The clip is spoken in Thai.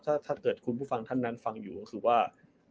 ถ้าเกิดคุณผู้ฟังท่านนั้นฟังอยู่ก็คือว่า